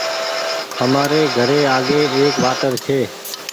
همآري گھري آگي ايڪ واٽر ڇي